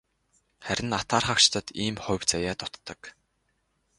Харин атаархагчдад ийм хувь заяа дутдаг.